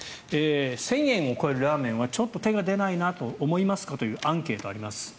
１０００円を超えるラーメンはちょっと手は出ないなと思いますか？というアンケートがあります。